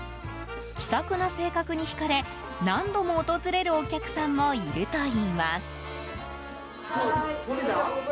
気さくな性格に引かれ何度も訪れるお客さんもいるといいます。